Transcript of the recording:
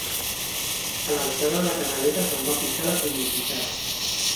A l'alçada de Canaletes em va picar la curiositat.